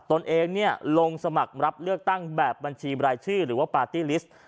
ตนเองลงสมัครรับเลือกตั้งแบบบัญชีบรายชื่อหรือว่าปาร์ตี้ลิสต์